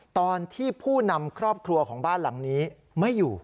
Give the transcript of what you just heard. ตอนที่ผู้นำครอบครัวของบ้านหลังนี้ไม่อยู่